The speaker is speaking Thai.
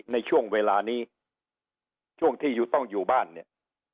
ในช่วงเวลานี้ช่วงที่ต้องอยู่บ้านเนี่ย